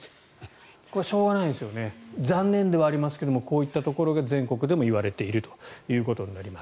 これ、しょうがないですよね残念ではありますがこういったところが全国でも言われているということになります。